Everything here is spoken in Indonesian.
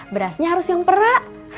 berasnya harus yang pera